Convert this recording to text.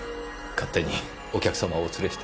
勝手にお客様をお連れして。